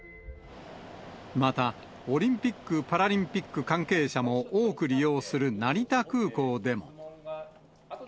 またオリンピック・パラリンピック関係者も多く利用する成田空港でも。